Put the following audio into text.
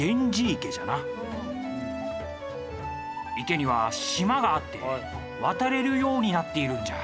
池には島があって渡れるようになっているんじゃ。